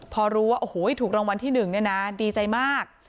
พอรู้ว่าถูกรางวัลที่๑ดีใจมาก